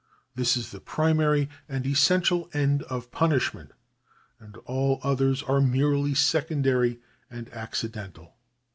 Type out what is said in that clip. This is the pri mary and essential end of punishment, and all others are merely secondary and accidental.